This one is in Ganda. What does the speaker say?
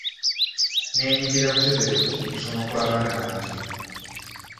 Neenyigira butereevu mu kusoma kw'abaana bange.